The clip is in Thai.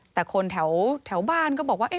แต่คนแถวบ้านก็บอกว่า